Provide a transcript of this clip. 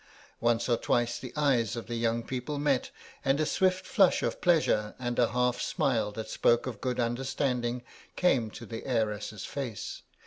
Once or twice the eyes of the young people met and a swift flush of pleasure and a half smile that spoke of good understanding came to the heiress's face.